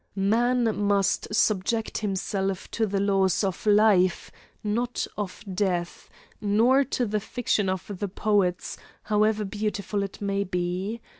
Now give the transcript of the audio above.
Man must subject himself to the laws of life, not of death, nor to the fiction of the poets, however beautiful it may be.